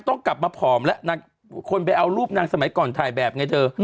ต้องกลับมาผอมแล้วนางคนไปเอารูปนางสมัยก่อนถ่ายแบบไงเธอ